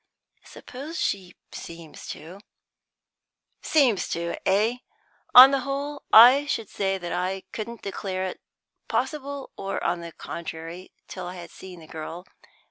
"Suppose she seems to." "Seems to, eh? On the whole, I should say that I couldn't declare it possible or the contrary till I had seen the girl.